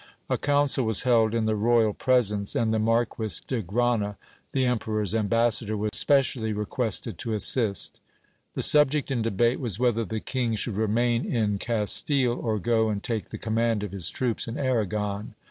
A council was held in the royal presence, and the Marquis de Grana, the emperor's ambassador, was specially requested to assist. The subject in debate was whether the king should remain in Cas tile, or go and take the command of his troops in Arragon.